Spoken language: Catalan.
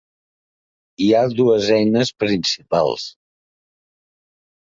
Hi ha dues eines principals.